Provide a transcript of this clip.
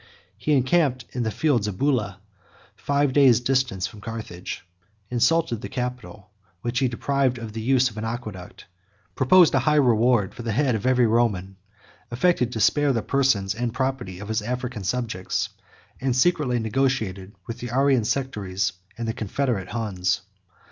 He encamped in the fields of Bulla, four days' journey from Carthage; insulted the capital, which he deprived of the use of an aqueduct; proposed a high reward for the head of every Roman; affected to spare the persons and property of his African subjects, and secretly negotiated with the Arian sectaries and the confederate Huns.